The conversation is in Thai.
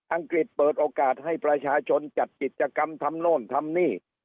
องกฤษเปิดโอกาสให้ประชาชนจัดกิจกรรมทำโน่นทำนี่